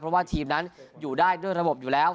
เพราะว่าทีมนั้นอยู่ได้ด้วยระบบอยู่แล้ว